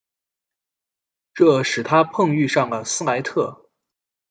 这使他碰遇上了斯莱特。